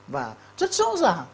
và rất rõ ràng